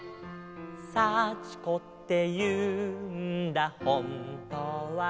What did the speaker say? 「サチコっていうんだほんとはね」